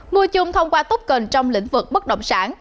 mua chung thông qua token trong lĩnh vực bất động sản